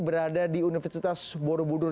berada di universitas borobudur